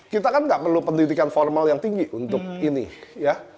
kita kan nggak perlu pendidikan formal yang tinggi untuk ini ya